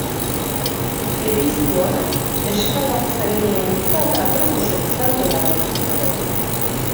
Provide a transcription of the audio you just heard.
Edizioa eskalatzaileentzat aproposa izango da, berriz ere.